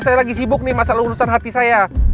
saya lagi sibuk nih masalah urusan hati saya